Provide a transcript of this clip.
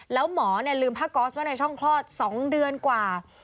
แล้วหมอลืมผ้าก๊อสไว้ในช่องคลอด๒เดือนกว่า